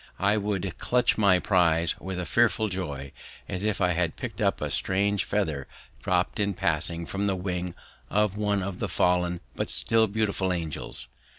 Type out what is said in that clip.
I would clutch my prize with a fearful joy, as if I had picked up a strange feather dropped in passing from the wing of one of the fallen but still beautiful angels.